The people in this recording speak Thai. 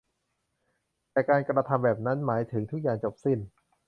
การกระทำแบบนั้นหมายถึงทุกอย่างจบสิ้น